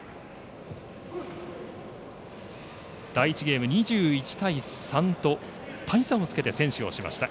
第１ゲーム２１対３と大差をつけて先取をしました。